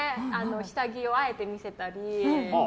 下着をあえて見せたり。